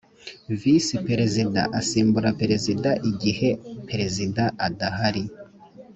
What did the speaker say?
visi perezida asimbura perezida igihe perezida adahari.